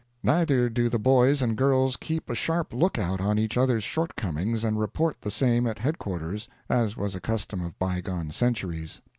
Neither do the boys and girls keep a sharp look out on each other's shortcomings and report the same at headquarters, as was a custom of by gone centuries.